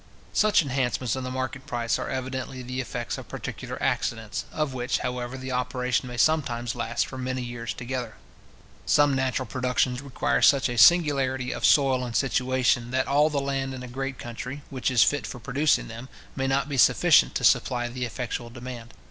Such enhancements of the market price are evidently the effects of particular accidents, of which, however, the operation may sometimes last for many years together. Some natural productions require such a singularity of soil and situation, that all the land in a great country, which is fit for producing them, may not be sufficient to supply the effectual demand.